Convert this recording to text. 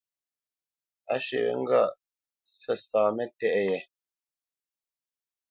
A swe wé ŋgâʼ sasá mətéʼ ye.